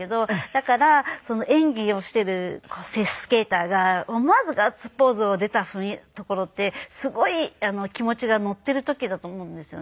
だから演技をしているスケーターが思わずガッツポーズを出たところってすごい気持ちが乗っている時だと思うんですよね。